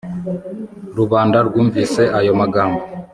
rubanda rwumvise ayo magambo